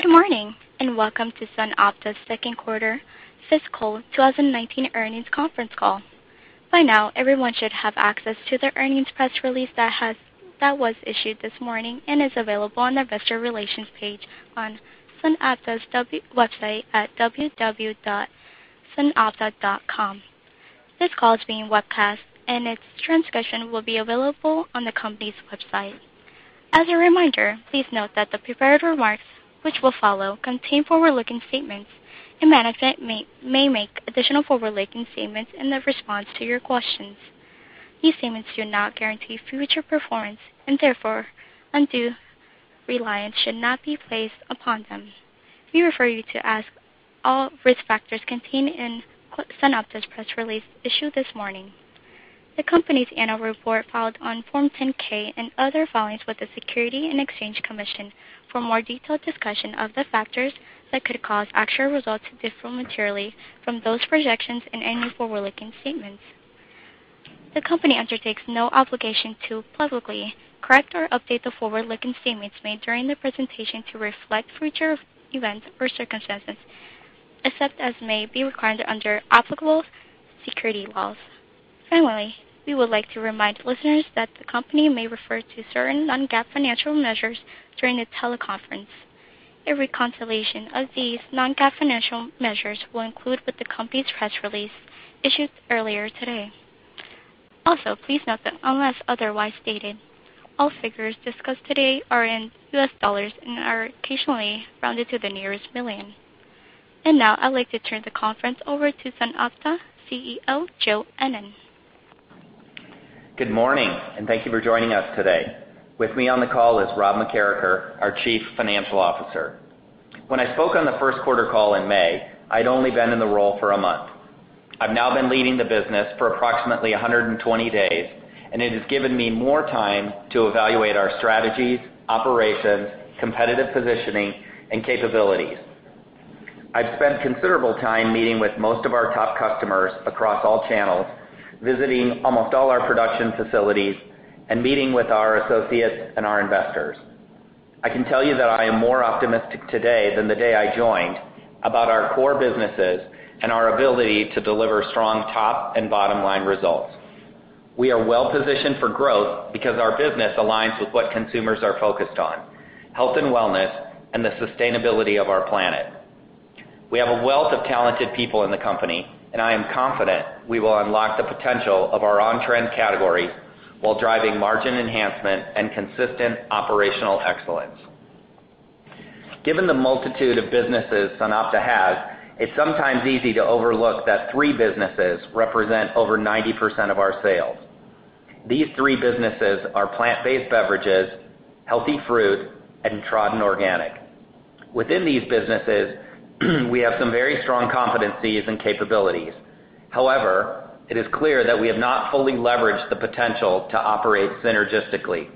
Good morning, and welcome to SunOpta's second quarter fiscal 2019 earnings conference call. By now, everyone should have access to the earnings press release that was issued this morning and is available on the Investor Relations page on SunOpta's website at www.sunopta.com. This call is being webcast, and its transcription will be available on the company's website. As a reminder, please note that the prepared remarks which will follow contain forward-looking statements, and management may make additional forward-looking statements in the response to your questions. These statements do not guarantee future performance, and therefore, undue reliance should not be placed upon them. We refer you to all risk factors contained in SunOpta's press release issued this morning. The company's annual report filed on Form 10-K and other filings with the Securities and Exchange Commission for a more detailed discussion of the factors that could cause actual results to differ materially from those projections in any forward-looking statements. The company undertakes no obligation to publicly correct or update the forward-looking statements made during the presentation to reflect future events or circumstances, except as may be required under applicable security laws. Finally, we would like to remind listeners that the company may refer to certain non-GAAP financial measures during the teleconference. A reconciliation of these non-GAAP financial measures will include with the company's press release issued earlier today. Also, please note that unless otherwise stated, all figures discussed today are in U.S. dollars and are occasionally rounded to the nearest million. Now, I'd like to turn the conference over to SunOpta CEO, Joe Ennen. Good morning, thank you for joining us today. With me on the call is Rob McKeracher, our Chief Financial Officer. When I spoke on the first quarter call in May, I'd only been in the role for a month. I've now been leading the business for approximately 120 days, and it has given me more time to evaluate our strategies, operations, competitive positioning, and capabilities. I've spent considerable time meeting with most of our top customers across all channels, visiting almost all our production facilities, and meeting with our associates and our investors. I can tell you that I am more optimistic today than the day I joined about our core businesses and our ability to deliver strong top and bottom-line results. We are well-positioned for growth because our business aligns with what consumers are focused on, health and wellness and the sustainability of our planet. We have a wealth of talented people in the company, and I am confident we will unlock the potential of our on-trend categories while driving margin enhancement and consistent operational excellence. Given the multitude of businesses SunOpta has, it's sometimes easy to overlook that three businesses represent over 90% of our sales. These three businesses are plant-based beverages, healthy fruit, and Tradin Organic. Within these businesses, we have some very strong competencies and capabilities. However, it is clear that we have not fully leveraged the potential to operate synergistically.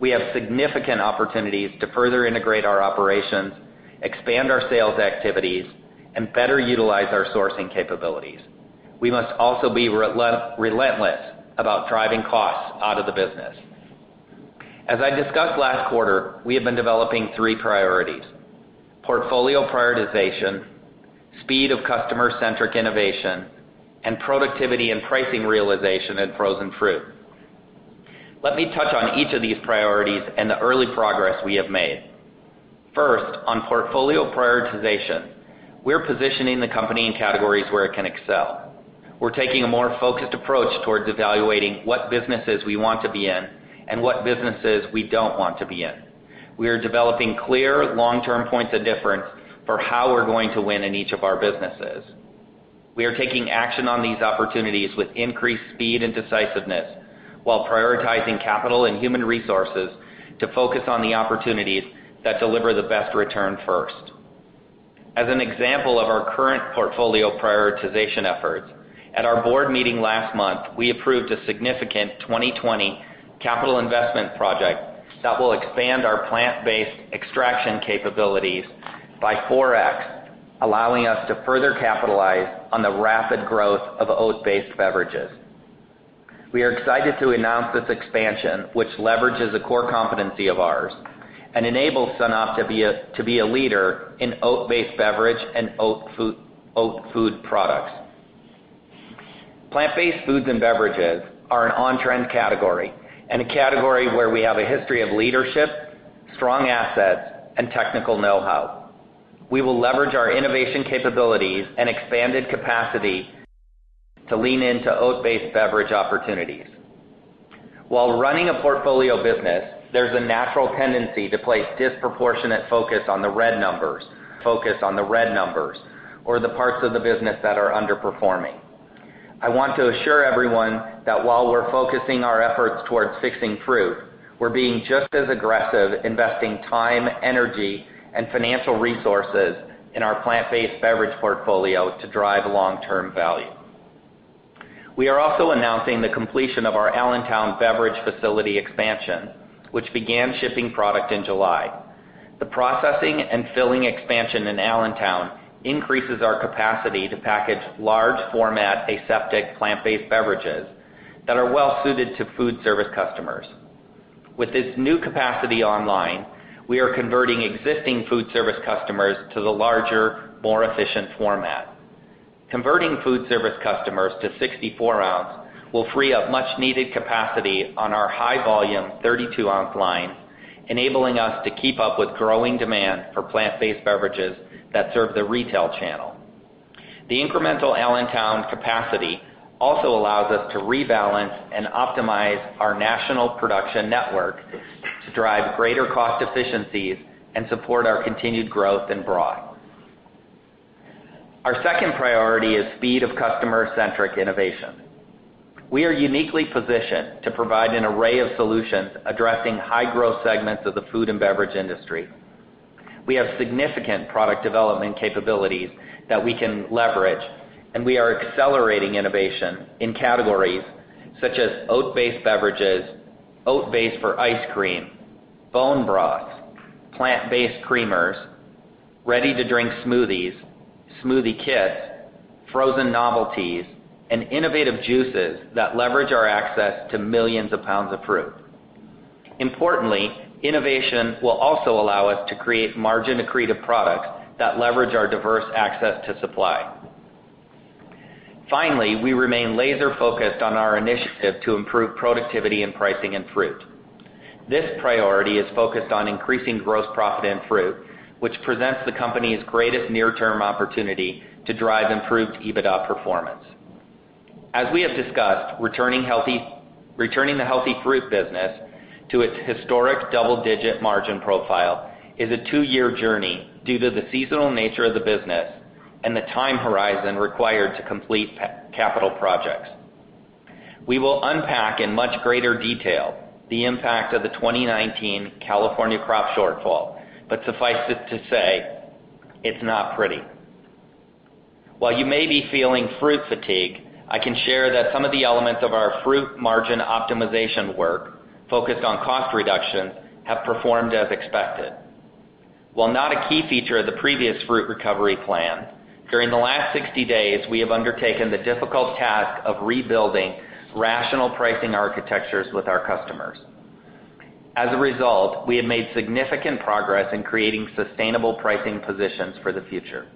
We have significant opportunities to further integrate our operations, expand our sales activities, and better utilize our sourcing capabilities. We must also be relentless about driving costs out of the business. As I discussed last quarter, we have been developing three priorities, portfolio prioritization, speed of customer-centric innovation, and productivity and pricing realization in frozen fruit. Let me touch on each of these priorities and the early progress we have made. First, on portfolio prioritization, we're positioning the company in categories where it can excel. We're taking a more focused approach towards evaluating what businesses we want to be in and what businesses we don't want to be in. We are developing clear, long-term points of difference for how we're going to win in each of our businesses. We are taking action on these opportunities with increased speed and decisiveness while prioritizing capital and human resources to focus on the opportunities that deliver the best return first. As an example of our current portfolio prioritization efforts, at our board meeting last month, we approved a significant 2020 capital investment project that will expand our plant-based extraction capabilities by 4x, allowing us to further capitalize on the rapid growth of oat-based beverages. We are excited to announce this expansion, which leverages a core competency of ours and enables SunOpta to be a leader in oat-based beverage and oat food products. Plant-based foods and beverages are an on-trend category and a category where we have a history of leadership, strong assets, and technical know-how. We will leverage our innovation capabilities and expanded capacity to lean into oat-based beverage opportunities. While running a portfolio business, there's a natural tendency to place disproportionate focus on the red numbers or the parts of the business that are underperforming. I want to assure everyone that while we're focusing our efforts towards fixing fruit, we're being just as aggressive investing time, energy, and financial resources in our plant-based beverage portfolio to drive long-term value. We are also announcing the completion of our Allentown beverage facility expansion, which began shipping product in July. The processing and filling expansion in Allentown increases our capacity to package large format aseptic Plant-Based Beverages that are well suited to food service customers. With this new capacity online, we are converting existing food service customers to the larger, more efficient format. Converting food service customers to 64-ounce will free up much needed capacity on our high volume 32-ounce lines, enabling us to keep up with growing demand for Plant-Based Beverages that serve the retail channel. The incremental Allentown capacity also allows us to rebalance and optimize our national production network to drive greater cost efficiencies and support our continued growth in broad. Our second priority is speed of customer-centric innovation. We are uniquely positioned to provide an array of solutions addressing high growth segments of the food and beverage industry. We have significant product development capabilities that we can leverage, and we are accelerating innovation in categories such as oat-based beverages, oat-based for ice cream, bone broths, plant-based creamers, ready-to-drink smoothies, smoothie kits, frozen novelties, and innovative juices that leverage our access to millions of pounds of fruit. Importantly, innovation will also allow us to create margin-accretive products that leverage our diverse access to supply. Finally, we remain laser-focused on our initiative to improve productivity and pricing in fruit. This priority is focused on increasing gross profit in fruit, which presents the company's greatest near-term opportunity to drive improved EBITDA performance. As we have discussed, returning the healthy fruit business to its historic double-digit margin profile is a two-year journey due to the seasonal nature of the business and the time horizon required to complete capital projects. We will unpack in much greater detail the impact of the 2019 California crop shortfall, but suffice to say, it's not pretty. While you may be feeling fruit fatigue, I can share that some of the elements of our fruit margin optimization work, focused on cost reduction, have performed as expected. While not a key feature of the previous fruit recovery plan, during the last 60 days, we have undertaken the difficult task of rebuilding rational pricing architectures with our customers. As a result, we have made significant progress in creating sustainable pricing positions for the future.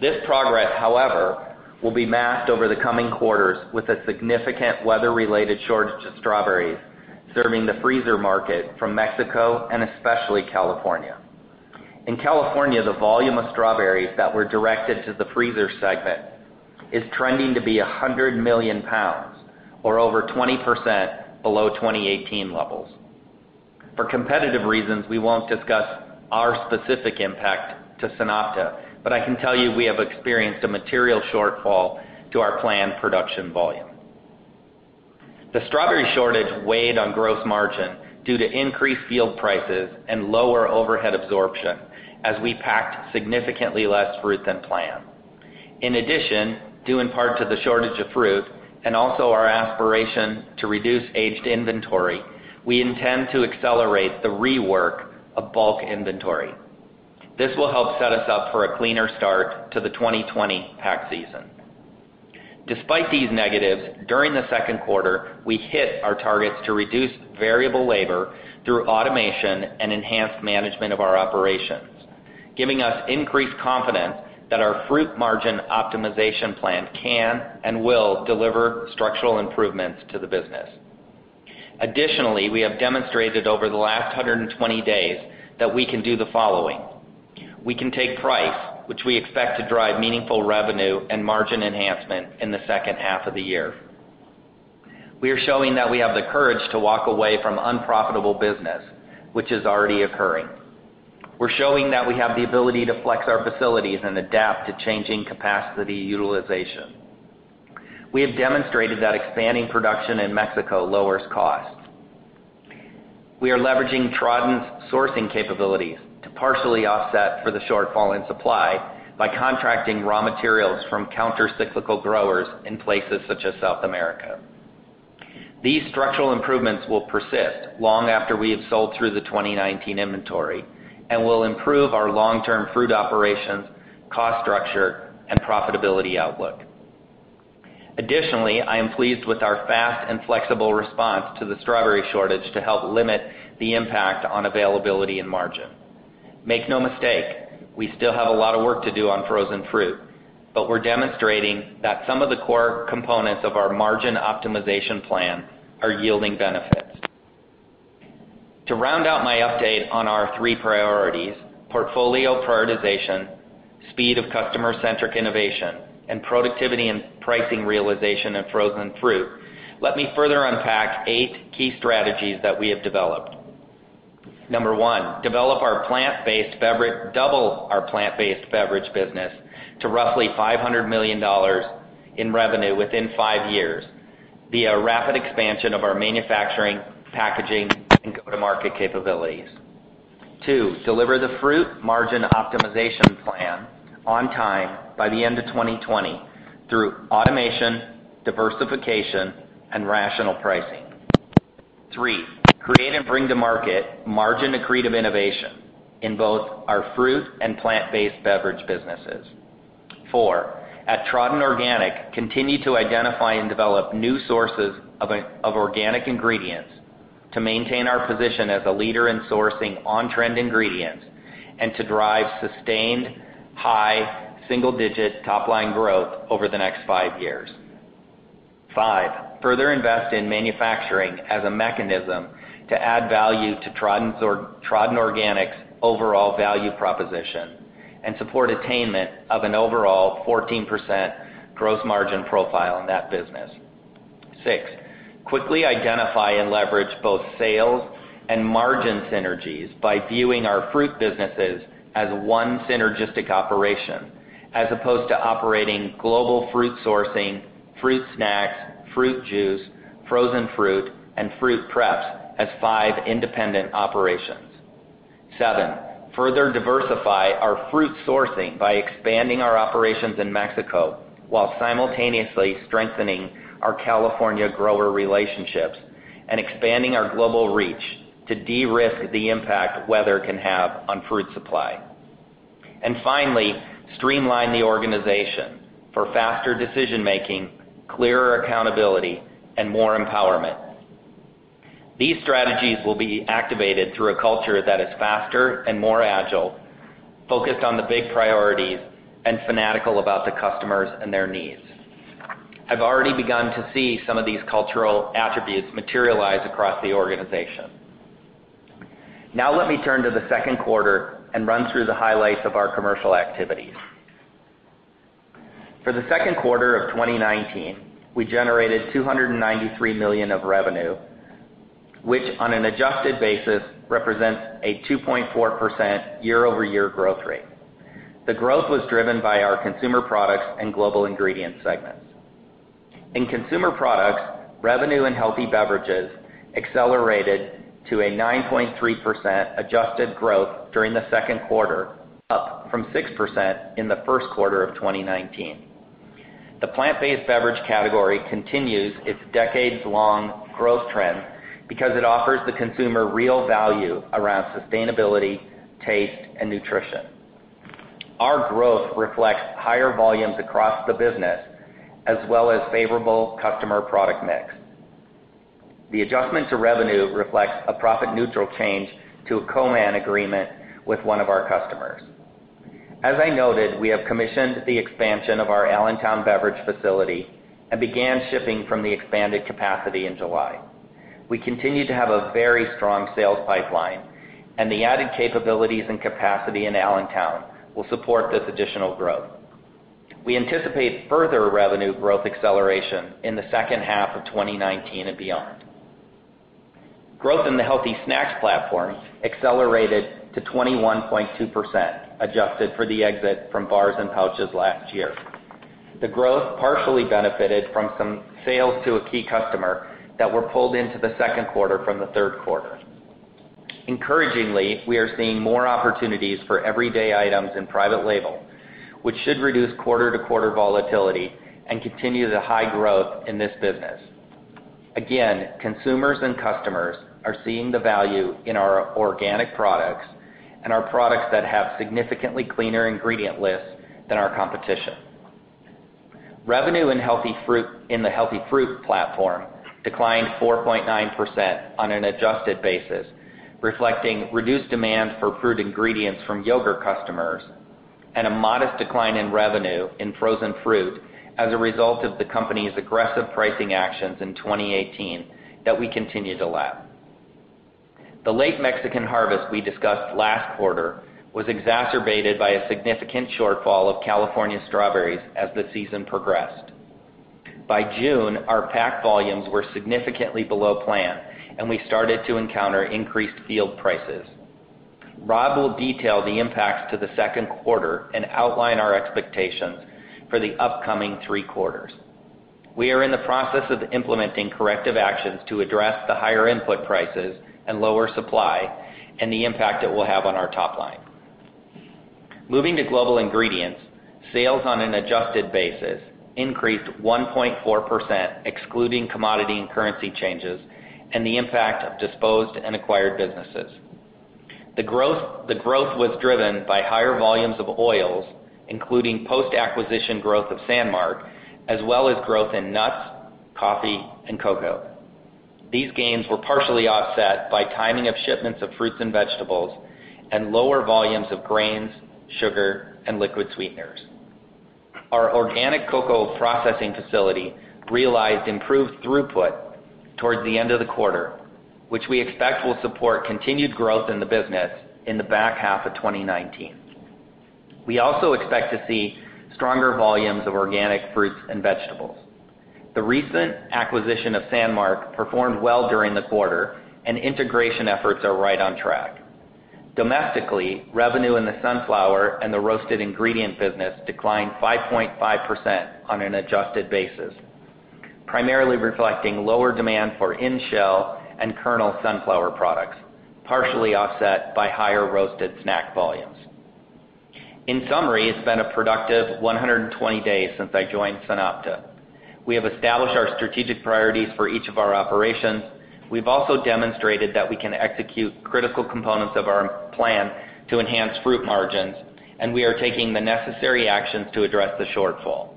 This progress, however, will be masked over the coming quarters with a significant weather-related shortage of strawberries serving the freezer market from Mexico and especially California. In California, the volume of strawberries that were directed to the freezer segment is trending to be 100 million pounds or over 20% below 2018 levels. For competitive reasons, we won't discuss our specific impact to SunOpta, but I can tell you we have experienced a material shortfall to our planned production volume. The strawberry shortage weighed on gross margin due to increased field prices and lower overhead absorption as we packed significantly less fruit than planned. In addition, due in part to the shortage of fruit and also our aspiration to reduce aged inventory, we intend to accelerate the rework of bulk inventory. This will help set us up for a cleaner start to the 2020 pack season. Despite these negatives, during the second quarter, we hit our targets to reduce variable labor through automation and enhanced management of our operations, giving us increased confidence that our fruit margin optimization plan can and will deliver structural improvements to the business. Additionally, we have demonstrated over the last 120 days that we can do the following. We can take price, which we expect to drive meaningful revenue and margin enhancement in the second half of the year. We are showing that we have the courage to walk away from unprofitable business, which is already occurring. We're showing that we have the ability to flex our facilities and adapt to changing capacity utilization. We have demonstrated that expanding production in Mexico lowers cost. We are leveraging Tradin's sourcing capabilities to partially offset for the shortfall in supply by contracting raw materials from counter-cyclical growers in places such as South America. These structural improvements will persist long after we have sold through the 2019 inventory and will improve our long-term fruit operations, cost structure, and profitability outlook. Additionally, I am pleased with our fast and flexible response to the strawberry shortage to help limit the impact on availability and margin. Make no mistake, we still have a lot of work to do on frozen fruit, but we're demonstrating that some of the core components of our margin optimization plan are yielding benefits. To round out my update on our three priorities, portfolio prioritization, speed of customer-centric innovation, and productivity and pricing realization of frozen fruit, let me further unpack eight key strategies that we have developed. Number one, double our plant-based beverage business to roughly $500 million in revenue within five years via rapid expansion of our manufacturing, packaging, and go-to-market capabilities. Two, deliver the fruit margin optimization plan on time by the end of 2020 through automation, diversification, and rational pricing. Three, create and bring to market margin-accretive innovation in both our fruit and plant-based beverage businesses. 4, at Tradin Organic, continue to identify and develop new sources of organic ingredients to maintain our position as a leader in sourcing on-trend ingredients and to drive sustained high single-digit top-line growth over the next 5 years. 5, further invest in manufacturing as a mechanism to add value to Tradin Organic's overall value proposition and support attainment of an overall 14% gross margin profile in that business. 6, quickly identify and leverage both sales and margin synergies by viewing our fruit businesses as one synergistic operation as opposed to operating global fruit sourcing, fruit snacks, fruit juice, frozen fruit, and fruit preps as 5 independent operations. 7, further diversify our fruit sourcing by expanding our operations in Mexico while simultaneously strengthening our California grower relationships and expanding our global reach to de-risk the impact weather can have on fruit supply. Finally, streamline the organization for faster decision-making, clearer accountability, and more empowerment. These strategies will be activated through a culture that is faster and more agile, focused on the big priorities, and fanatical about the customers and their needs. I've already begun to see some of these cultural attributes materialize across the organization. Now let me turn to the second quarter and run through the highlights of our commercial activities. For the second quarter of 2019, we generated $293 million of revenue, which on an adjusted basis represents a 2.4% year-over-year growth rate. The growth was driven by our consumer products and global ingredient segments. In consumer products, revenue and healthy beverages accelerated to a 9.3% adjusted growth during the second quarter, up from 6% in the first quarter of 2019. The plant-based beverage category continues its decades-long growth trend because it offers the consumer real value around sustainability, taste, and nutrition. Our growth reflects higher volumes across the business, as well as favorable customer product mix. The adjustment to revenue reflects a profit-neutral change to a co-man agreement with one of our customers. As I noted, we have commissioned the expansion of our Allentown beverage facility and began shipping from the expanded capacity in July. We continue to have a very strong sales pipeline, and the added capabilities and capacity in Allentown will support this additional growth. We anticipate further revenue growth acceleration in the second half of 2019 and beyond. Growth in the healthy snacks platform accelerated to 21.2%, adjusted for the exit from bars and pouches last year. The growth partially benefited from some sales to a key customer that were pulled into the second quarter from the third quarter. Encouragingly, we are seeing more opportunities for everyday items in private label, which should reduce quarter-to-quarter volatility and continue the high growth in this business. Again, consumers and customers are seeing the value in our organic products and our products that have significantly cleaner ingredient lists than our competition. Revenue in the healthy fruit platform declined 4.9% on an adjusted basis, reflecting reduced demand for fruit ingredients from yogurt customers and a modest decline in revenue in frozen fruit as a result of the company's aggressive pricing actions in 2018 that we continue to lap. The late Mexican harvest we discussed last quarter was exacerbated by a significant shortfall of California strawberries as the season progressed. By June, our pack volumes were significantly below plan, and we started to encounter increased field prices. Rob will detail the impacts to the second quarter and outline our expectations for the upcoming three quarters. We are in the process of implementing corrective actions to address the higher input prices and lower supply and the impact it will have on our top line. Moving to global ingredients, sales on an adjusted basis increased 1.4%, excluding commodity and currency changes and the impact of disposed and acquired businesses. The growth was driven by higher volumes of oils, including post-acquisition growth of Sanmark, as well as growth in nuts, coffee, and cocoa. These gains were partially offset by timing of shipments of fruits and vegetables and lower volumes of grains, sugar, and liquid sweeteners. Our organic cocoa processing facility realized improved throughput towards the end of the quarter, which we expect will support continued growth in the business in the back half of 2019. We also expect to see stronger volumes of organic fruits and vegetables. The recent acquisition of Sanmark performed well during the quarter, and integration efforts are right on track. Domestically, revenue in the sunflower and the roasted ingredient business declined 5.5% on an adjusted basis, primarily reflecting lower demand for in-shell and kernel sunflower products, partially offset by higher roasted snack volumes. In summary, it's been a productive 120 days since I joined SunOpta. We have established our strategic priorities for each of our operations. We've also demonstrated that we can execute critical components of our plan to enhance fruit margins, and we are taking the necessary actions to address the shortfall.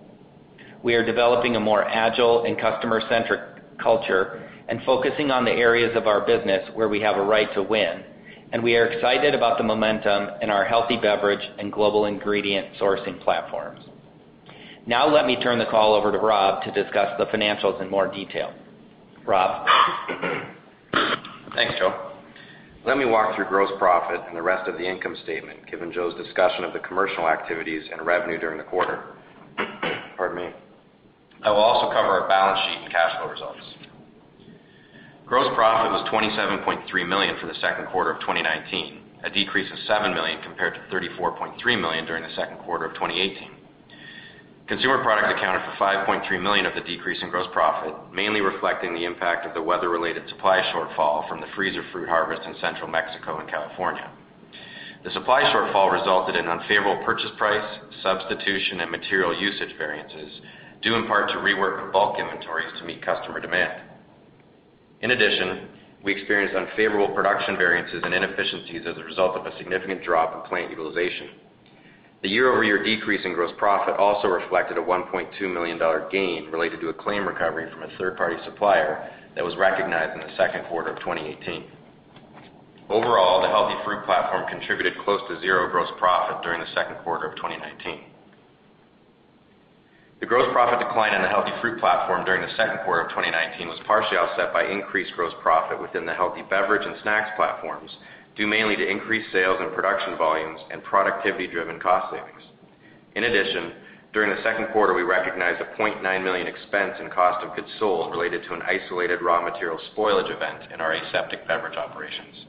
We are developing a more agile and customer-centric culture and focusing on the areas of our business where we have a right to win, and we are excited about the momentum in our healthy beverage and global ingredient sourcing platforms. Now let me turn the call over to Rob to discuss the financials in more detail. Rob? Thanks, Joe. Let me walk through gross profit and the rest of the income statement, given Joe's discussion of the commercial activities and revenue during the quarter. Pardon me. I will also cover our balance sheet and cash flow results. Gross profit was $27.3 million for the second quarter of 2019, a decrease of $7 million compared to $34.3 million during the second quarter of 2018. Consumer product accounted for $5.3 million of the decrease in gross profit, mainly reflecting the impact of the weather-related supply shortfall from the freezer fruit harvest in central Mexico and California. The supply shortfall resulted in unfavorable purchase price, substitution, and material usage variances, due in part to rework of bulk inventories to meet customer demand. In addition, we experienced unfavorable production variances and inefficiencies as a result of a significant drop in plant utilization. The year-over-year decrease in gross profit also reflected a $1.2 million gain related to a claim recovery from a third-party supplier that was recognized in the second quarter of 2018. Overall, the healthy fruit platform contributed close to zero gross profit during the second quarter of 2019. The gross profit decline in the healthy fruit platform during the second quarter of 2019 was partially offset by increased gross profit within the healthy beverage and snacks platforms, due mainly to increased sales and production volumes and productivity-driven cost savings. In addition, during the second quarter, we recognized a $0.9 million expense in cost of goods sold related to an isolated raw material spoilage event in our aseptic beverage operations.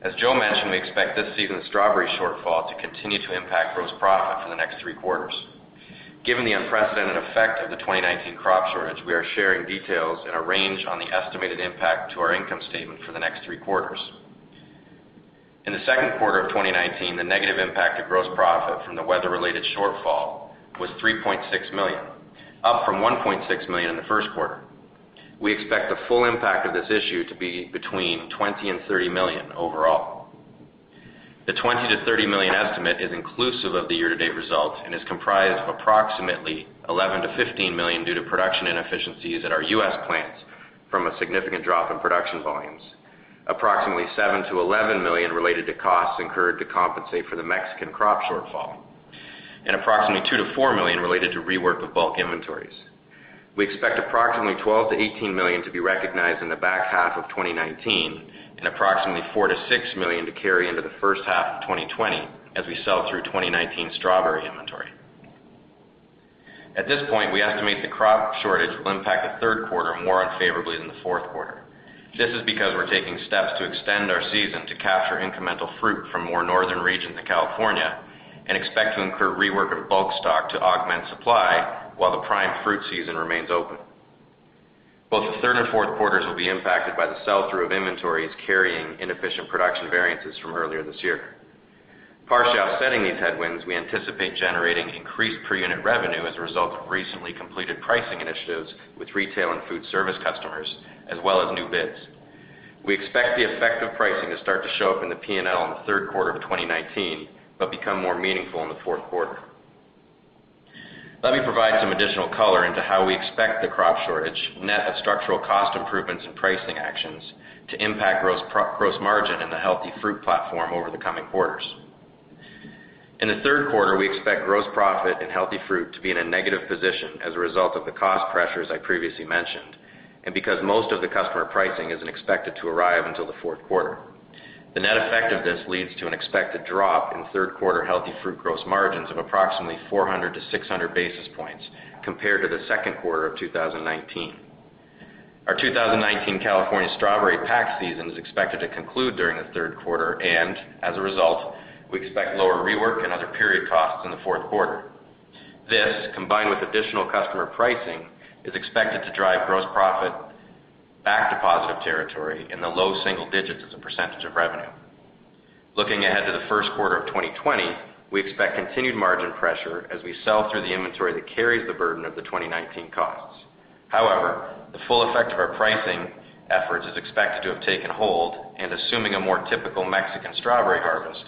As Joe mentioned, we expect this season's strawberry shortfall to continue to impact gross profit for the next three quarters. Given the unprecedented effect of the 2019 crop shortage, we are sharing details in a range on the estimated impact to our income statement for the next three quarters. In the second quarter of 2019, the negative impact to gross profit from the weather-related shortfall was $3.6 million, up from $1.6 million in the first quarter. We expect the full impact of this issue to be between $20 million and $30 million overall. The $20 million-$30 million estimate is inclusive of the year-to-date results and is comprised of approximately $11 million-$15 million due to production inefficiencies at our U.S. plants from a significant drop in production volumes. Approximately $7 million-$11 million related to costs incurred to compensate for the Mexican crop shortfall, and approximately $2 million-$4 million related to rework of bulk inventories. We expect approximately $12 million-$18 million to be recognized in the back half of 2019 and approximately $4 million-$6 million to carry into the first half of 2020 as we sell through 2019 strawberry inventory. At this point, we estimate the crop shortage will impact the third quarter more unfavorably than the fourth quarter. This is because we're taking steps to extend our season to capture incremental fruit from more northern regions of California and expect to incur rework of bulk stock to augment supply while the prime fruit season remains open. Both the third and fourth quarters will be impacted by the sell-through of inventories carrying inefficient production variances from earlier this year. Partially offsetting these headwinds, we anticipate generating increased per-unit revenue as a result of recently completed pricing initiatives with retail and food service customers, as well as new bids. We expect the effect of pricing to start to show up in the P&L in the third quarter of 2019, but become more meaningful in the fourth quarter. Let me provide some additional color into how we expect the crop shortage, net of structural cost improvements and pricing actions, to impact gross margin in the healthy fruit platform over the coming quarters. In the third quarter, we expect gross profit in healthy fruit to be in a negative position as a result of the cost pressures I previously mentioned and because most of the customer pricing isn't expected to arrive until the fourth quarter. The net effect of this leads to an expected drop in third quarter healthy fruit gross margins of approximately 400 to 600 basis points compared to the second quarter of 2019. Our 2019 California strawberry pack season is expected to conclude during the third quarter, and as a result, we expect lower rework and other period costs in the fourth quarter. This, combined with additional customer pricing, is expected to drive gross profit back to positive territory in the low single digits as a percentage of revenue. Looking ahead to the first quarter of 2020, we expect continued margin pressure as we sell through the inventory that carries the burden of the 2019 costs. However, the full effect of our pricing efforts is expected to have taken hold, and assuming a more typical Mexican strawberry harvest,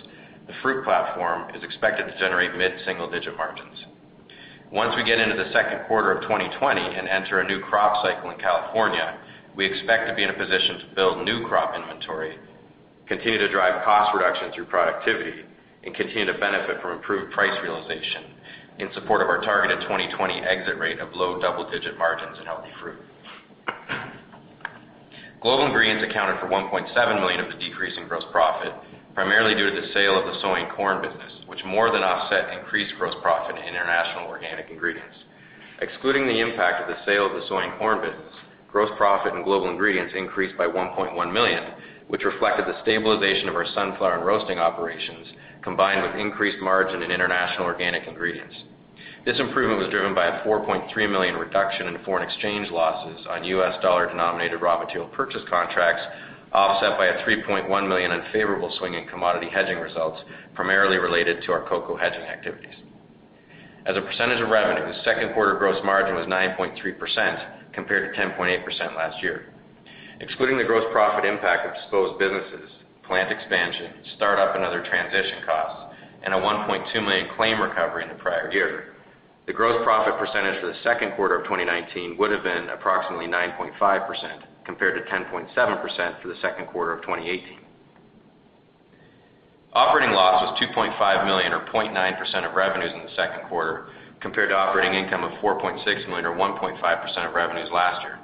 the fruit platform is expected to generate mid-single digit margins. Once we get into the second quarter of 2020 and enter a new crop cycle in California, we expect to be in a position to build new crop inventory, continue to drive cost reduction through productivity, and continue to benefit from improved price realization in support of our targeted 2020 exit rate of low double-digit margins in healthy fruit. Global ingredients accounted for $1.7 million of the decrease in gross profit, primarily due to the sale of the soy and corn business, which more than offset increased gross profit in international organic ingredients. Excluding the impact of the sale of the soy and corn business, gross profit in global ingredients increased by $1.1 million, which reflected the stabilization of our sunflower and roasting operations, combined with increased margin in international organic ingredients. This improvement was driven by a $4.3 million reduction in foreign exchange losses on U.S. dollar-denominated raw material purchase contracts, offset by a $3.1 million unfavorable swing in commodity hedging results, primarily related to our cocoa hedging activities. As a percentage of revenue, second quarter gross margin was 9.3%, compared to 10.8% last year. Excluding the gross profit impact of disposed businesses, plant expansion, startup and other transition costs, and a $1.2 million claim recovery in the prior year, the gross profit percentage for the second quarter of 2019 would've been approximately 9.5%, compared to 10.7% for the second quarter of 2018. Operating loss was $2.5 million, or 0.9% of revenues in the second quarter, compared to operating income of $4.6 million, or 1.5% of revenues last year.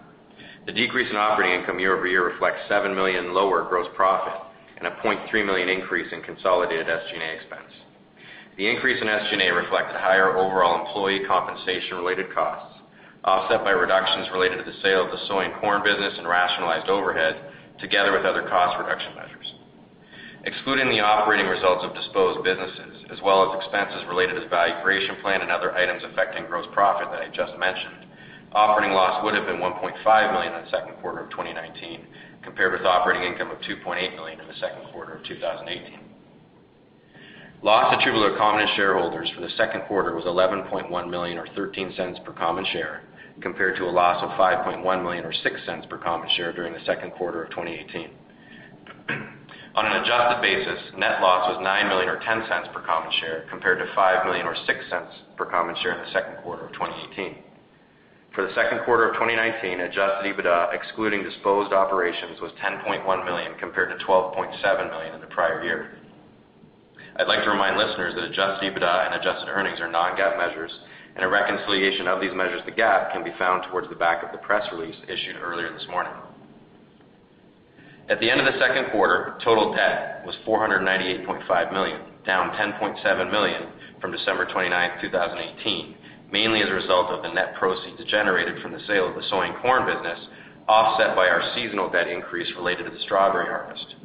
The decrease in operating income year-over-year reflects $7 million lower gross profit and a $0.3 million increase in consolidated SG&A expense. The increase in SG&A reflects higher overall employee compensation-related costs, offset by reductions related to the sale of the soy and corn business and rationalized overhead, together with other cost reduction measures. Excluding the operating results of disposed businesses, as well as expenses related to value creation plan and other items affecting gross profit that I just mentioned, operating loss would've been $1.5 million in the second quarter of 2019, compared with operating income of $2.8 million in the second quarter of 2018. Loss attributable to common shareholders for the second quarter was $11.1 million, or $0.13 per common share, compared to a loss of $5.1 million, or $0.06 per common share during the second quarter of 2018. On an adjusted basis, net loss was $9 million or $0.10 per common share, compared to $5 million or $0.06 per common share in the second quarter of 2018. For the second quarter of 2019, adjusted EBITDA, excluding disposed operations, was $10.1 million, compared to $12.7 million in the prior year. I'd like to remind listeners that adjusted EBITDA and adjusted earnings are non-GAAP measures, and a reconciliation of these measures to GAAP can be found towards the back of the press release issued earlier this morning. At the end of the second quarter, total debt was $498.5 million, down $10.7 million from December 29th, 2018, mainly as a result of the net proceeds generated from the sale of the soy and corn business, offset by our seasonal debt increase related to the strawberry harvest.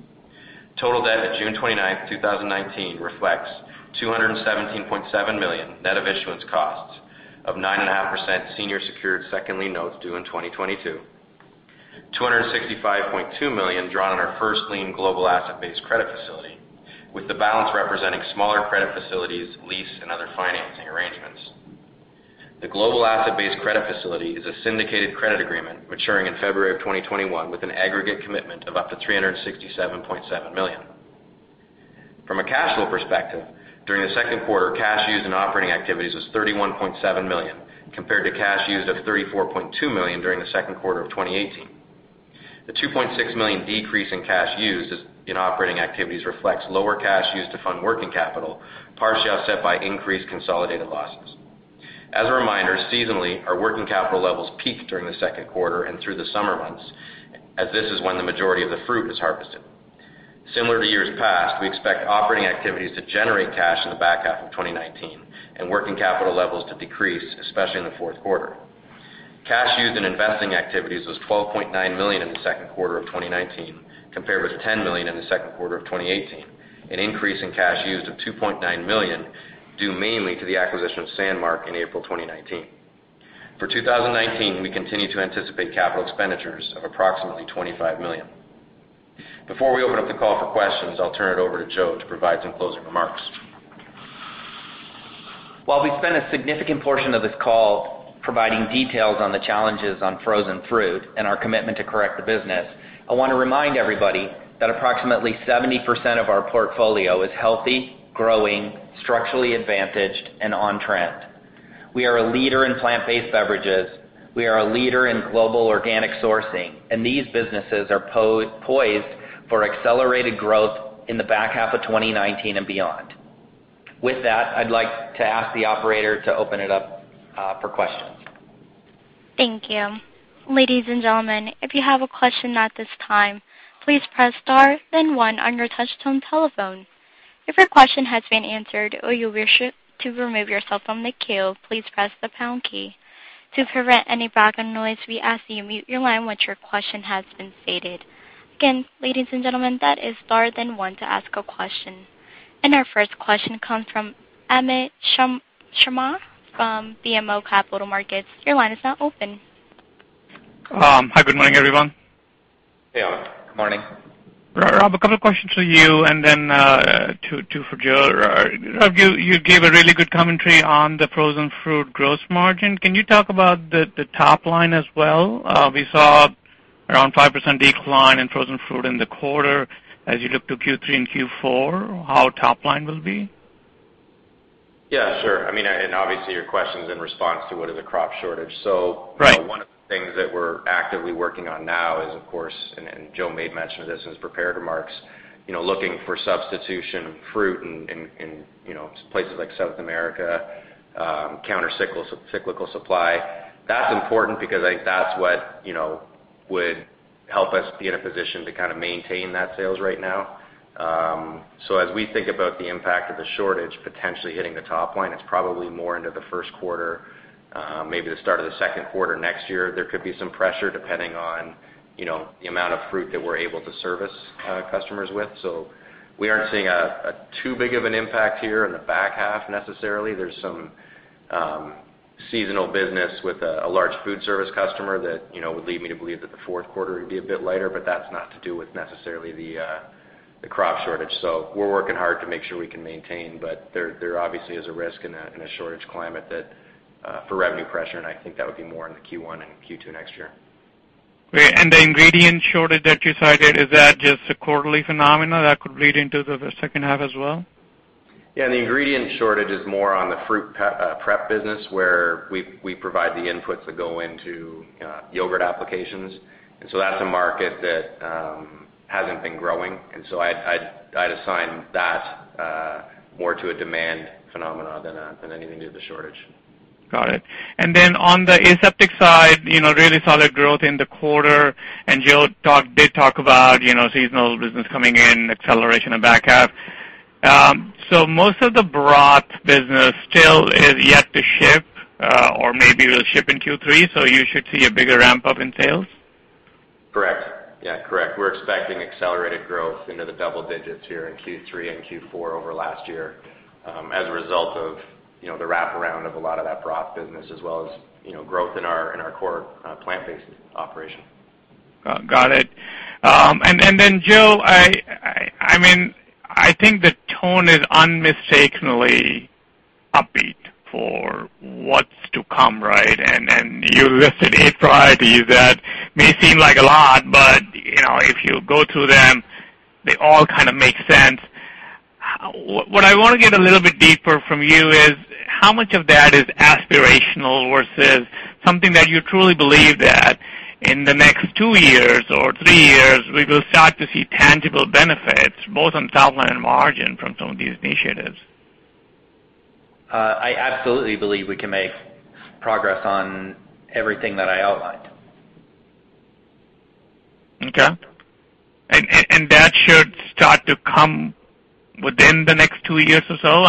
Total debt at June 29th, 2019, reflects $217.7 million, net of issuance costs, of 9.5% senior secured second lien notes due in 2022. $265.2 million drawn on our senior secured asset-based revolving credit facility, with the balance representing smaller credit facilities, lease, and other financing arrangements. The senior secured asset-based revolving credit facility is a syndicated credit agreement maturing in February of 2021 with an aggregate commitment of up to $367.7 million. From a cash flow perspective, during the second quarter, cash used in operating activities was $31.7 million, compared to cash used of $34.2 million during the second quarter of 2018. The $2.6 million decrease in cash used in operating activities reflects lower cash used to fund working capital, partially offset by increased consolidated losses. As a reminder, seasonally, our working capital levels peak during the second quarter and through the summer months, as this is when the majority of the fruit is harvested. Similar to years past, we expect operating activities to generate cash in the back half of 2019 and working capital levels to decrease, especially in the fourth quarter. Cash used in investing activities was $12.9 million in the second quarter of 2019, compared with $10 million in the second quarter of 2018, an increase in cash used of $2.9 million, due mainly to the acquisition of Sanmark in April 2019. For 2019, we continue to anticipate capital expenditures of approximately $25 million. Before we open up the call for questions, I'll turn it over to Joe to provide some closing remarks. While we've spent a significant portion of this call providing details on the challenges on frozen fruit and our commitment to correct the business, I want to remind everybody that approximately 70% of our portfolio is healthy, growing, structurally advantaged, and on trend. We are a leader in plant-based beverages. We are a leader in global organic sourcing. These businesses are poised for accelerated growth in the back half of 2019 and beyond. With that, I'd like to ask the operator to open it up for questions. Thank you. Ladies and gentlemen, if you have a question at this time, please press star then one on your touch tone telephone. If your question has been answered or you wish to remove yourself from the queue, please press the pound key. To prevent any background noise, we ask that you mute your line once your question has been stated. Again, ladies and gentlemen, that is star then one to ask a question. Our first question comes from Amit Sharma from BMO Capital Markets. Your line is now open. Hi, good morning, everyone. Hey, Amit. Good morning. Rob, a couple of questions for you, and then two for Joe. Rob, you gave a really good commentary on the frozen fruit gross margin. Can you talk about the top line as well? We saw around 5% decline in frozen fruit in the quarter. As you look to Q3 and Q4, how top line will be? Yeah, sure. Obviously, your question's in response to what is a crop shortage. Right. One of the things that we're actively working on now is, of course, and Joe made mention of this in his prepared remarks, looking for substitution fruit in places like South America, counter cyclical supply. That's important because I think that's what would help us be in a position to kind of maintain that sales right now. As we think about the impact of the shortage potentially hitting the top line, it's probably more into the first quarter, maybe the start of the second quarter next year, there could be some pressure depending on the amount of fruit that we're able to service customers with. We aren't seeing too big of an impact here in the back half necessarily. There's some seasonal business with a large food service customer that would lead me to believe that the fourth quarter would be a bit lighter, but that's not to do with necessarily the crop shortage. We're working hard to make sure we can maintain, but there obviously is a risk in a shortage climate that for revenue pressure, and I think that would be more in the Q1 and Q2 next year. Great. The ingredient shortage that you cited, is that just a quarterly phenomenon that could bleed into the second half as well? Yeah, the ingredient shortage is more on the fruit prep business where we provide the inputs that go into yogurt applications. That's a market that hasn't been growing. I'd assign that more to a demand phenomenon than anything to do with the shortage. Got it. On the aseptic side, really solid growth in the quarter, and Joe did talk about seasonal business coming in, acceleration of back half. Most of the broth business still is yet to ship or maybe will ship in Q3, so you should see a bigger ramp-up in sales? Correct. Yeah, correct. We're expecting accelerated growth into the double digits here in Q3 and Q4 over last year as a result of the wraparound of a lot of that broth business as well as growth in our core plant-based operation. Got it. Joe, I think the tone is unmistakably upbeat for what's to come, right? You listed eight priorities that may seem like a lot, but if you go through them, they all kind of make sense. What I want to get a little bit deeper from you is how much of that is aspirational versus something that you truly believe that in the next two years or three years, we will start to see tangible benefits both on top line and margin from some of these initiatives? I absolutely believe we can make progress on everything that I outlined. Okay. That should start to come within the next two years or so?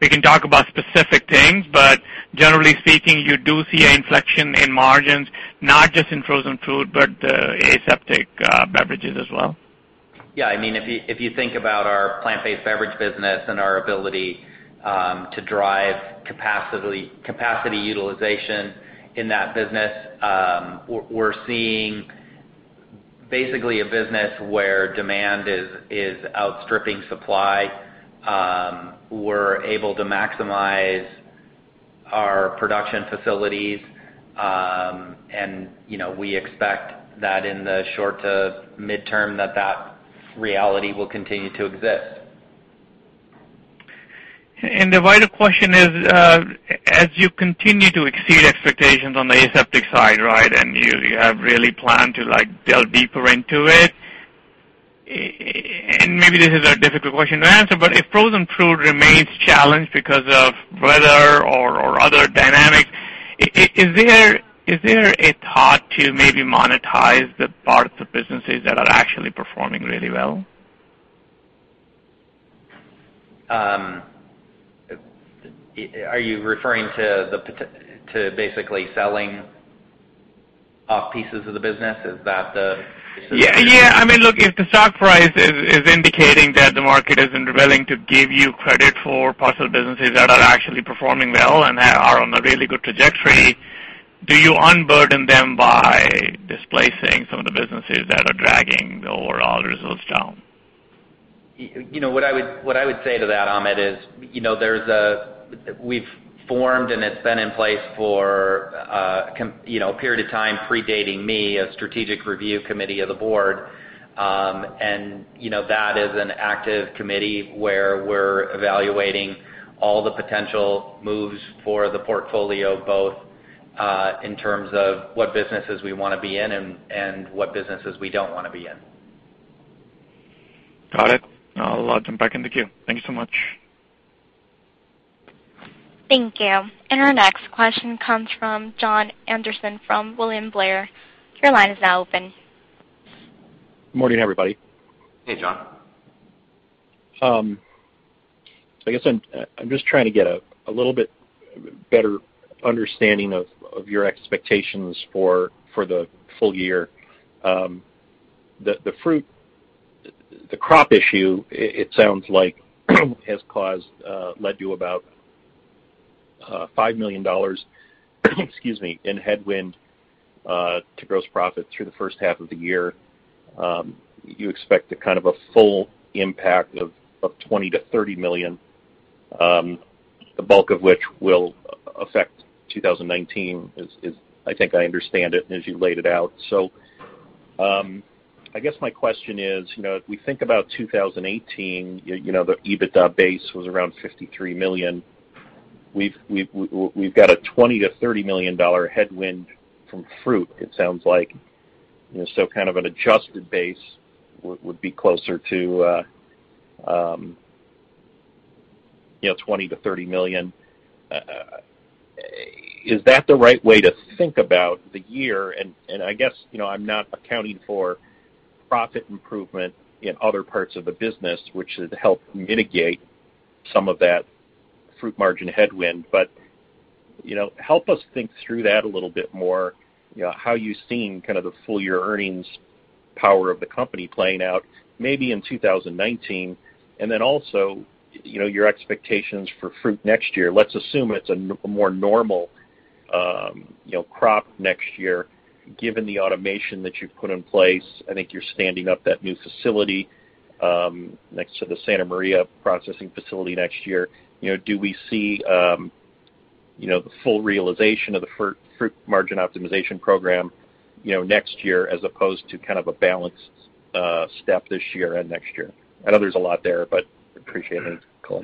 We can talk about specific things, but generally speaking, you do see an inflection in margins, not just in frozen fruit, but aseptic beverages as well? Yeah, if you think about our plant-based beverage business and our ability to drive capacity utilization in that business, we're seeing basically a business where demand is outstripping supply. We're able to maximize our production facilities. We expect that in the short to midterm that reality will continue to exist. The vital question is as you continue to exceed expectations on the aseptic side, right, and you have really planned to delve deeper into it. Maybe this is a difficult question to answer, but if frozen fruit remains challenged because of weather or other dynamics, is there a thought to maybe monetize the parts of businesses that are actually performing really well? Are you referring to basically selling off pieces of the business? Yeah. Look, if the stock price is indicating that the market isn't willing to give you credit for parts of businesses that are actually performing well and are on a really good trajectory, do you unburden them by displacing some of the businesses that are dragging the overall results down? What I would say to that, Amit, is we've formed and it's been in place for a period of time predating me, a strategic review committee of the board. That is an active committee where we're evaluating all the potential moves for the portfolio, both in terms of what businesses we want to be in and what businesses we don't want to be in. Got it. I'll jump back in the queue. Thank you so much. Thank you. Our next question comes from Jon Andersen from William Blair. Your line is now open. Morning, everybody. Hey, Jon. I guess I'm just trying to get a little bit better understanding of your expectations for the full year. The fruit, the crop issue, it sounds like has led to about $5 million, excuse me, in headwind to gross profit through the first half of the year. You expect a kind of a full impact of $20 million-$30 million, the bulk of which will affect 2019, is I think I understand it and as you laid it out. I guess my question is, if we think about 2018, the EBITDA base was around $53 million. We've got a $20 million-$30 million headwind from fruit it sounds like. Kind of an adjusted base would be closer to $20 million-$30 million. Is that the right way to think about the year? I guess, I'm not accounting for profit improvement in other parts of the business, which should help mitigate some of that fruit margin headwind. Help us think through that a little bit more, how you've seen the full year earnings power of the company playing out maybe in 2019, and then also your expectations for fruit next year. Let's assume it's a more normal crop next year, given the automation that you've put in place. I think you're standing up that new facility next to the Santa Maria processing facility next year. Do we see the full realization of the fruit margin optimization program next year as opposed to a balanced step this year and next year? I know there's a lot there, but appreciate any color.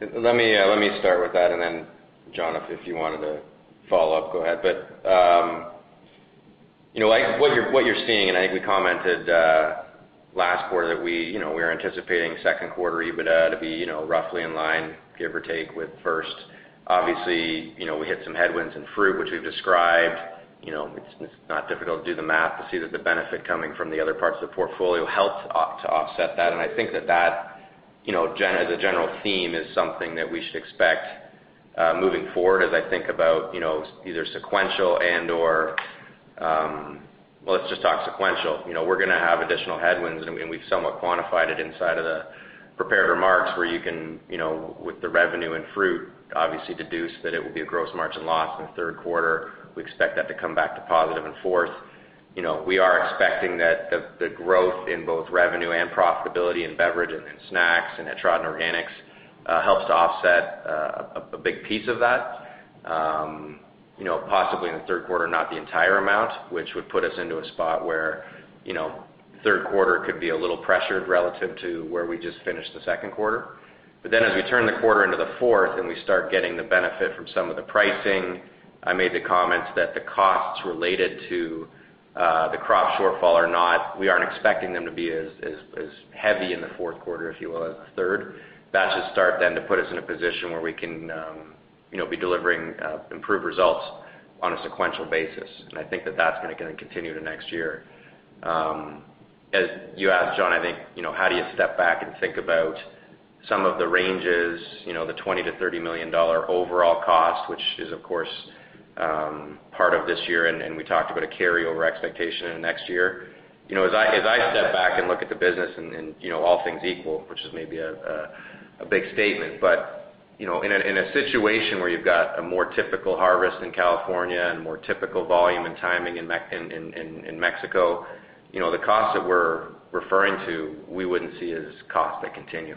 Let me start with that, and then, Jon, if you wanted to follow up, go ahead. What you're seeing, and I think we commented last quarter that we're anticipating second quarter EBITDA to be roughly in line, give or take, with first. Obviously, we hit some headwinds in fruit, which we've described. It's not difficult to do the math to see that the benefit coming from the other parts of the portfolio helped to offset that. I think that as a general theme, is something that we should expect moving forward as I think about either sequential. Well, let's just talk sequential. We're going to have additional headwinds, and we've somewhat quantified it inside of the prepared remarks where you can, with the revenue and fruit, obviously deduce that it will be a gross margin loss in the third quarter. We expect that to come back to positive in fourth. We are expecting that the growth in both revenue and profitability in beverage and in snacks and at Tradin Organic helps to offset a big piece of that. Possibly in the third quarter, not the entire amount, which would put us into a spot where third quarter could be a little pressured relative to where we just finished the second quarter. As we turn the quarter into the fourth and we start getting the benefit from some of the pricing, I made the comments that the costs related to the crop shortfall are not, we aren't expecting them to be as heavy in the fourth quarter, if you will, as the third. That should start then to put us in a position where we can be delivering improved results on a sequential basis. I think that that's going to continue to next year. As you asked, Jon, I think, how do you step back and think about some of the ranges, the $20 million-$30 million overall cost, which is of course part of this year, and we talked about a carryover expectation into next year. As I step back and look at the business and all things equal, which is maybe a big statement, but in a situation where you've got a more typical harvest in California and more typical volume and timing in Mexico, the costs that we're referring to, we wouldn't see as costs that continue.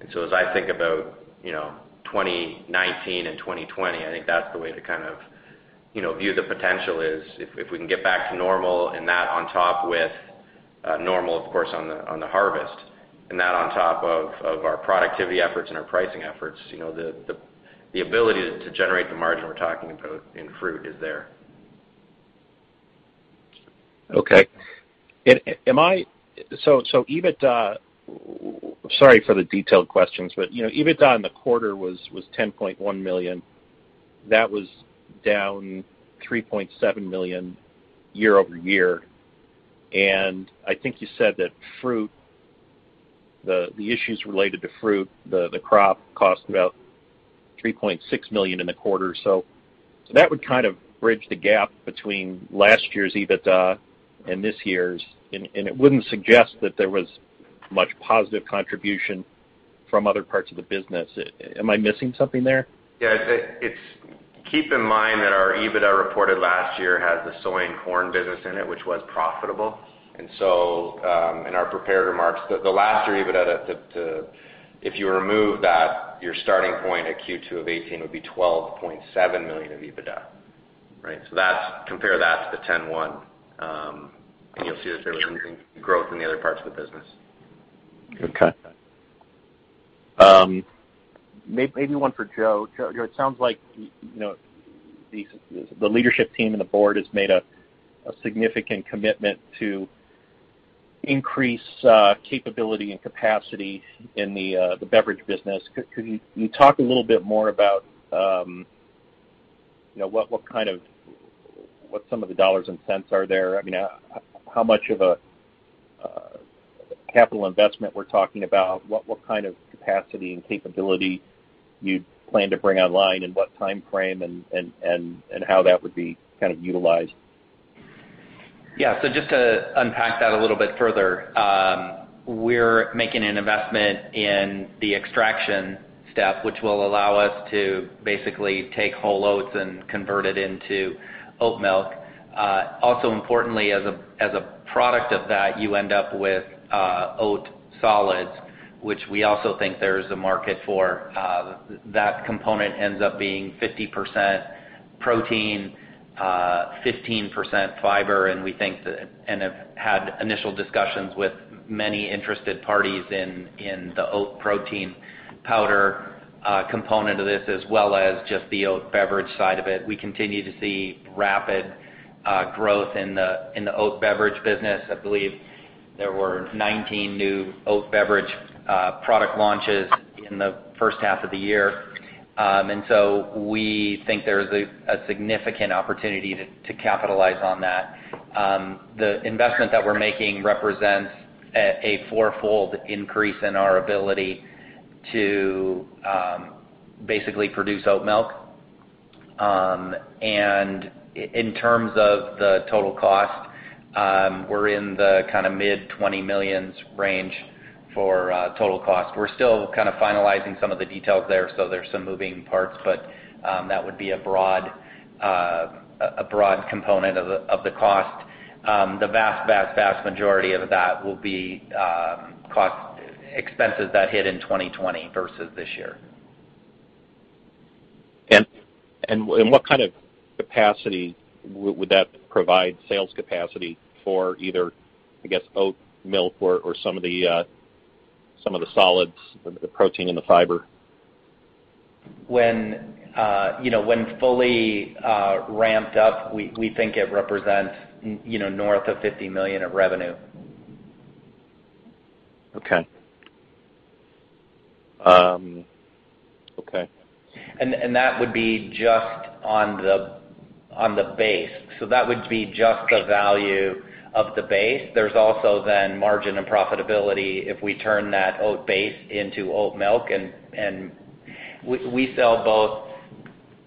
As I think about 2019 and 2020, I think that's the way to view the potential is if we can get back to normal and that on top with normal, of course, on the harvest and that on top of our productivity efforts and our pricing efforts, the ability to generate the margin we're talking about in fruit is there. Okay. Sorry for the detailed questions, EBITDA in the quarter was $10.1 million. That was down $3.7 million year-over-year. I think you said that the issues related to fruit, the crop cost about $3.6 million in the quarter or so. That would kind of bridge the gap between last year's EBITDA and this year's, and it wouldn't suggest that there was much positive contribution from other parts of the business. Am I missing something there? Keep in mind that our EBITDA reported last year had the Soy and Corn business in it, which was profitable. In our prepared remarks, the last year EBITDA, if you remove that, your starting point at Q2 of 2018 would be $12.7 million of EBITDA, right? Compare that to the $10.1 million, and you'll see that there was growth in the other parts of the business. Okay. Maybe one for Joe. Joe, it sounds like the leadership team and the board has made a significant commitment to increase capability and capacity in the beverage business. Could you talk a little bit more about what some of the dollars and cents are there? How much of a capital investment we're talking about? What kind of capacity and capability you plan to bring online, in what timeframe, and how that would be utilized? Yeah. Just to unpack that a little bit further, we're making an investment in the extraction step, which will allow us to basically take whole oats and convert it into oat milk. Also importantly, as a product of that, you end up with oat solids, which we also think there's a market for. That component ends up being 50% protein, 15% fiber, and we think that, and have had initial discussions with many interested parties in the oat protein powder component of this as well as just the oat beverage side of it. We continue to see rapid growth in the oat beverage business. I believe there were 19 new oat beverage product launches in the first half of the year. We think there's a significant opportunity to capitalize on that. The investment that we're making represents a fourfold increase in our ability to basically produce oat milk. In terms of the total cost, we're in the mid-$20 millions range for total cost. We're still finalizing some of the details there, so there's some moving parts, but that would be a broad component of the cost. The vast majority of that will be expenses that hit in 2020 versus this year. What kind of capacity would that provide, sales capacity for either, I guess, oat milk or some of the solids, the protein, and the fiber? When fully ramped up, we think it represents north of $50 million of revenue. Okay. That would be just on the base. That would be just the value of the base. There's also then margin and profitability if we turn that oat base into oat milk. We sell both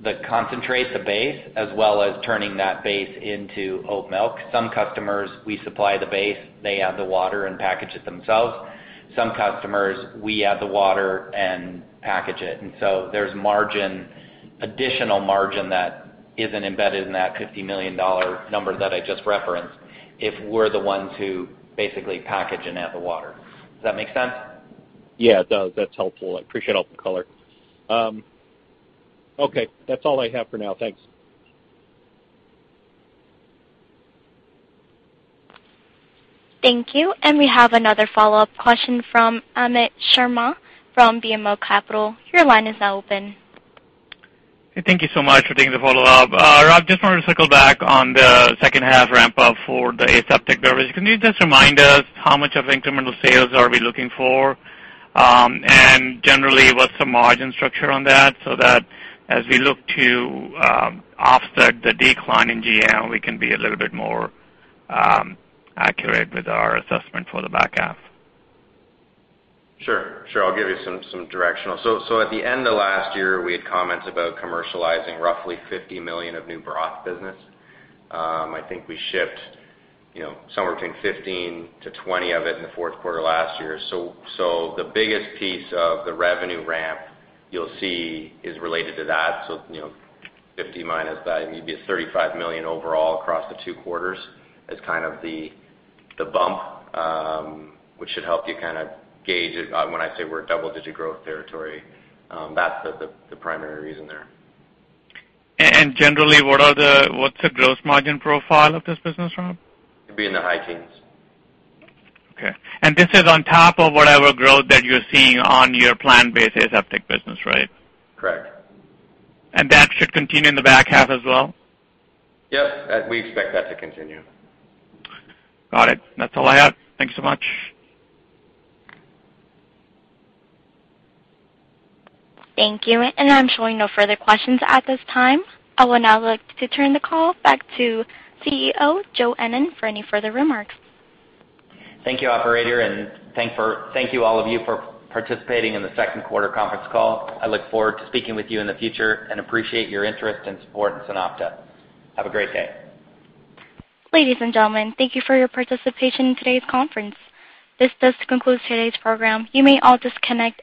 the concentrate, the base, as well as turning that base into oat milk. Some customers, we supply the base. They add the water and package it themselves. Some customers, we add the water and package it. There's additional margin that isn't embedded in that $50 million number that I just referenced if we're the ones who basically package and add the water. Does that make sense? Yeah, it does. That's helpful. I appreciate all the color. Okay, that's all I have for now. Thanks. Thank you. We have another follow-up question from Amit Sharma from BMO Capital. Your line is now open. Thank you so much for taking the follow-up. Rob, just wanted to circle back on the second half ramp up for the aseptic service. Can you just remind us how much of incremental sales are we looking for? Generally, what's the margin structure on that so that as we look to offset the decline in GM, we can be a little bit more accurate with our assessment for the back half? Sure. I'll give you some directional. At the end of last year, we had commented about commercializing roughly $50 million of new broth business. I think we shipped somewhere between $15 million-$20 million of it in the fourth quarter last year. The biggest piece of the revenue ramp you'll see is related to that. $50 million minus that, you'd be at $35 million overall across the two quarters as kind of the bump, which should help you gauge it when I say we're double-digit growth territory. That's the primary reason there. Generally, what's the gross margin profile of this business, Rob? It'd be in the high teens. Okay. This is on top of whatever growth that you're seeing on your plant-based aseptic business, right? Correct. That should continue in the back half as well? Yep. We expect that to continue. Got it. That's all I have. Thanks so much. Thank you. I'm showing no further questions at this time. I will now look to turn the call back to CEO, Joe Ennen, for any further remarks. Thank you, operator, and thank you all of you for participating in the second quarter conference call. I look forward to speaking with you in the future and appreciate your interest and support in SunOpta. Have a great day. Ladies and gentlemen, thank you for your participation in today's conference. This does conclude today's program. You may all disconnect.